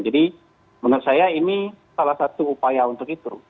jadi menurut saya ini salah satu upaya untuk itu